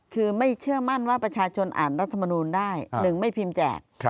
คือไม่เชื่อมั่นว่าประชาชนอ่านรัฐมนูลได้๑ไม่พิมพ์แจก